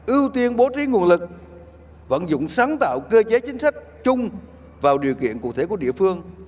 ưu tiên bố trí nguồn lực vận dụng sáng tạo cơ chế chính sách chung vào điều kiện cụ thể của địa phương